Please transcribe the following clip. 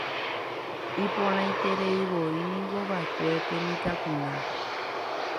Iporãitereivoínikova'ekue upe mitãkuña